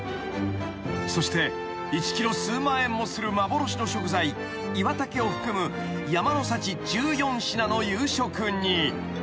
［そして１ｋｇ数万円もする幻の食材イワタケを含む山の幸１４品の夕食に］